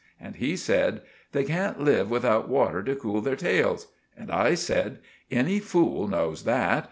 And he said— "They can't live without water to cool their tails." And I said— "Any fool knows that.